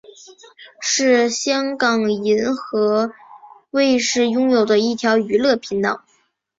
是香港银河卫视拥有的一条娱乐频道。